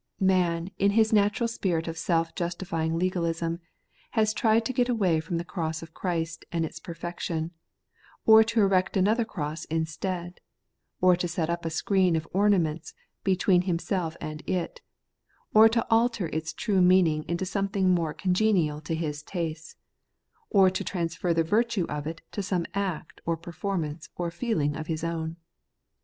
Man, in his natural spirit of seK justifying legalism, has tried to get away from the cross of Christ and its perfection, or to erect another cross instead, or to set up a screen of ornaments between himself and it, or to alter its true meaning into something more congenial to his tastes, or to trans fer the virtue of it to some act or performance or feeling of his own.